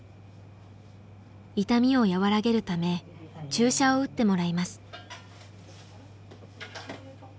痛みを和らげるため注射を打ってもらいます。